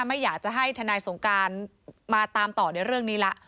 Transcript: ไม่อยากจะให้ทนายสงการมาตามต่อในเรื่องนี้ละ